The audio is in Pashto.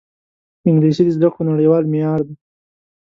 انګلیسي د زده کړو نړیوال معیار دی